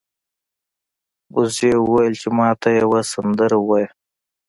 وزې وویل چې ما ته یوه سندره ووایه.